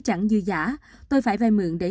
chẳng như giả tôi phải vai mượn để